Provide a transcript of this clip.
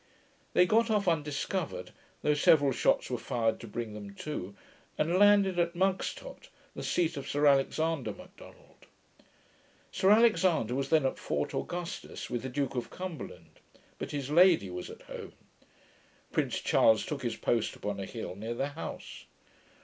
They got off undiscovered, though several shots were fired to bring them to, and landed at Mugstot, the seat of Sir Alexander Macdonald. Sir Alexander was then at Fort Augustus, with the Duke of Cumberland; but his lady was at home. Prince Charles took his post upon a hill near the house.